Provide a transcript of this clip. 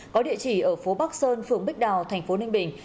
có địa chỉ ở phố bắc sơn phường bích đào thành phố ninh bình